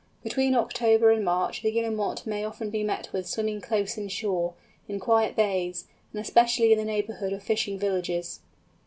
Between October and March the Guillemot may often be met with swimming close in shore, in quiet bays, and especially in the neighbourhood of fishing villages.